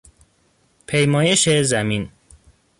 پیمایش زمین